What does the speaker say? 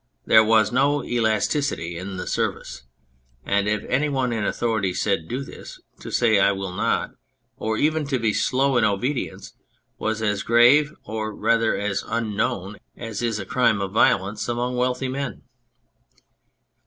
There was no elasticity in the service ; and if any one in authority said " Do this," to say " I will not," or even to be slow in obedience, was as grave, or rather as unknown, as is a crime of violence among wealthy men.